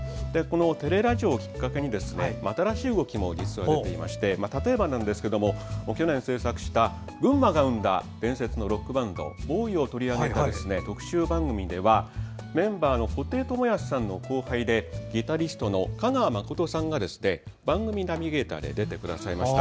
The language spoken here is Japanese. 「てれらじお」をきっかけに新しい動きも出てきていまして例えば、去年制作しました群馬が生んだ伝説のロックバンドＢＯＯＷＹを取り上げた特集番組ではメンバーの布袋さんの後輩でギタリストの香川誠さんが番組ナビゲーターで出てくださいました。